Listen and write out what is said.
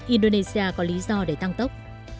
indonesia có lý do để tăng tốc